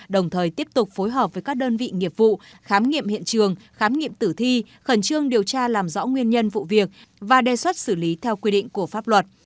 đồng thời tiếp tục phối hợp với các đơn vị nghiệp vụ khám nghiệm hiện trường khám nghiệm tử thi khẩn trương điều tra làm rõ nguyên nhân vụ việc và đề xuất xử lý theo quy định của pháp luật